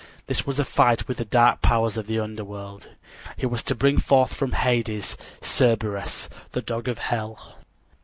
This was a fight with the dark powers of the underworld. He was to bring forth from Hades Cerberus, the dog of Hell.